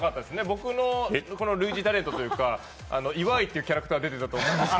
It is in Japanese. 僕の類似タレントというか、別のキャラクターが出ていたと思います。